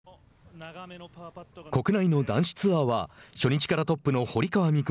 国内の男子ツアーは初日からトップの堀川未来